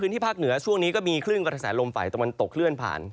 ถ้าต้องตกเคลื่อนผ่าน